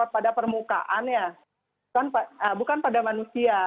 pada permukaannya bukan pada manusia